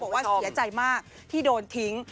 บอกว่าเสียใจมากที่โดนทิ้ง